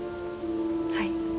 はい。